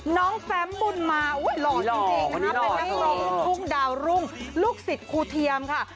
น้องแซมบุญมาหู้ยหล่อจริงนะครับมาให้ลีงทุ่งดาวรุ่งลูกศิษย์ครูเทียมค่ะ